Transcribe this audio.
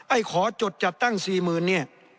ไอ้ขอจดจัดตั้ง๔๐๐๐เนี่ย